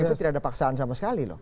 itu tidak ada paksaan sama sekali loh